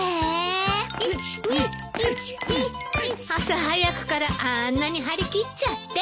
朝早くからあんなに張り切っちゃって。